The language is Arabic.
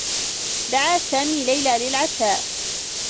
دعى سامي ليلى للعشاء.